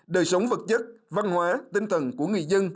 đời sống vật chất văn hóa tinh thần của người dân